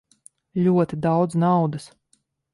Ļoti daudz naudas.